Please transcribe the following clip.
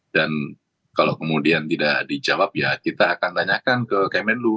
dan kalau kemudian tidak dijawab ya kita akan tanyakan ke kemenlu